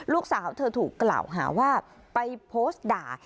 ลูกสาวเธอถูกกล่าวหาว่าไปโพสต์ด่า